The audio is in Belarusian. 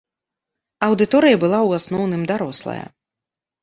Аўдыторыя была ў асноўным дарослая.